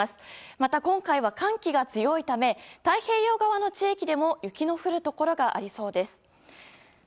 また、今回は寒気が強いため太平洋側の地域でも雪の降るところがありそうです。